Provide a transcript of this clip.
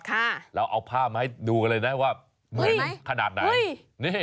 เราเอาภาพมาให้ดูกันเลยนะว่าเหมือนขนาดไหน